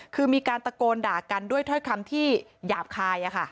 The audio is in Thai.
คือมีการตะโกนด่ากันด้วยถ้อยคำที่หยาบคาย